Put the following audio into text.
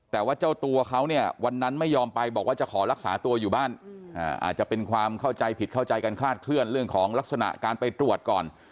แต่ว่าเจ้าตัวเขาเนี่ยวันนั้นไม่ยอมไปบอกว่าจะขอรักษาตัวอยู่บ้านอาจจะเป็นความเข้าใจผิดเข้าใจกันคลาดเคลื่อนเรื่องของลักษณะการไปตรวจก่อน